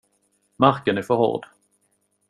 Marken är för hård.